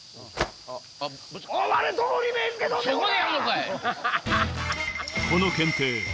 そこでやんのかい！